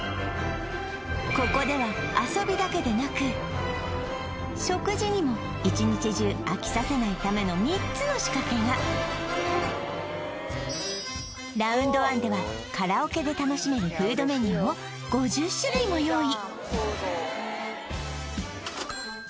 ここでは食事にも１日中飽きさせないための３つの仕掛けがラウンドワンではカラオケで楽しめるフードメニューを５０種類も用意